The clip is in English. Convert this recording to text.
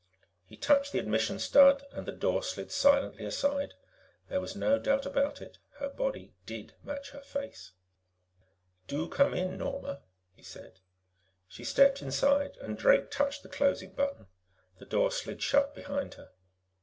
He touched the admission stud, and the door slid silently aside. There was no doubt about it, her body did match her face. "Do come in, Norma," he said. She stepped inside, and Drake touched the closing button. The door slid shut behind her.